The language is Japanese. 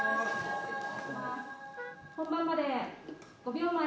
本番まで５秒前。